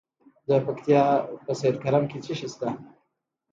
د پکتیا په سید کرم کې څه شی شته؟